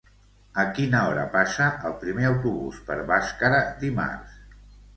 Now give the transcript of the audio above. A quina hora passa el primer autobús per Bàscara dimarts?